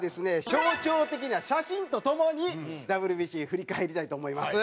象徴的な写真とともにＷＢＣ振り返りたいと思います。